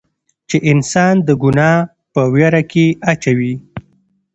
چې انسان د ګناه پۀ وېره کښې اچوي